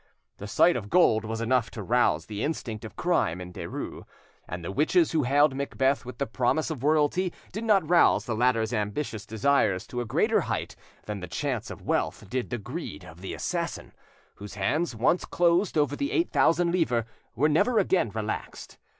The sight of gold was enough to rouse the instinct of crime in Derues, and the witches who hailed Macbeth with the promise of royalty did not rouse the latter's ambitious desires to a greater height than the chance of wealth did the greed of the assassin; whose hands, once closed over the eight thousand livres, were never again relaxed.